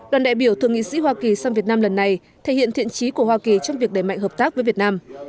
đoàn đại biểu thượng nghị sĩ hoa kỳ sang việt nam lần này thể hiện thiện trí của hoa kỳ trong việc đẩy mạnh hợp tác với việt nam